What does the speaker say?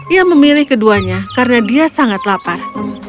ia memilih keduanya karena dia sangat lapar